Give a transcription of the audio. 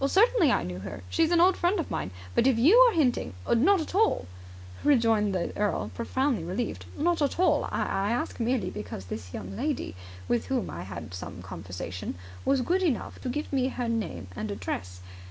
"Certainly I knew her. She is an old friend of mine. But if you are hinting ..." "Not at all," rejoined the earl, profoundly relieved. "Not at all. I ask merely because this young lady, with whom I had some conversation, was good enough to give me her name and address.